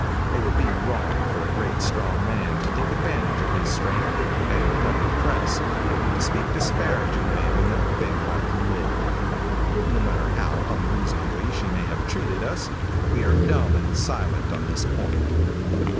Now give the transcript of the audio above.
It would be wrong for a great, strong man to take advantage of his strength and the public press, to speak disparagingly of a young thing like Lyd. No matter how unreasonably she may have treated us, we are dumb and silent on this point.